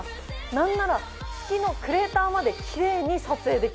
何なら月もクレーターまでキレイに撮影できるんです。